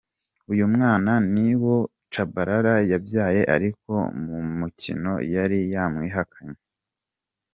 Uyu mwana ni uwo Chabalala yabyaye ariko mu mukino yari yamwihakanye.